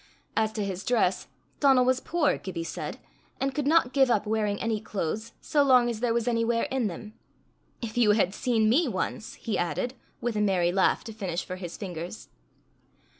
As to his dress, Donal was poor, Gibbie said, and could not give up wearing any clothes so long as there was any wear in them. "If you had seen me once!" he added, with a merry laugh to finish for his fingers.